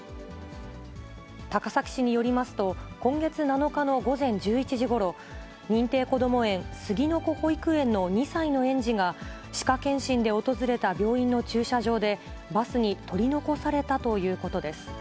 高崎市によりますと、今月７日の午前１１時ごろ、認定こども園杉の子保育園の２歳の園児が、歯科検診で訪れた病院の駐車場で、バスに取り残されたということです。